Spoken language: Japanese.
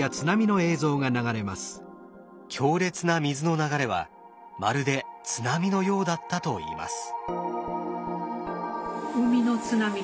強烈な水の流れはまるで津波のようだったといいます。